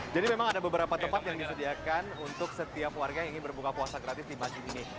jadi memang ada beberapa tempat yang disediakan untuk setiap warga yang ingin berbuka puasa gratis di masjid ini